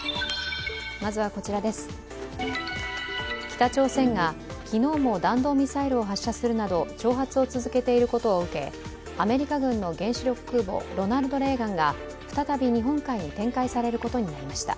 北朝鮮が昨日も弾道ミサイルを発射するなど挑発を続けていることを受け、アメリカ軍の原子力空母「ロナルド・レーガン」が再び日本海に展開されることになりました。